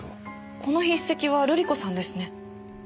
この筆跡は瑠璃子さんですね。